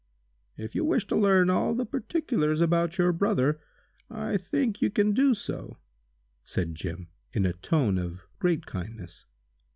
"If you wish to learn all the particulars about your brother, I think you can do so," said Jim, in a tone of great kindness.